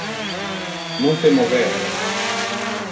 Non te mover!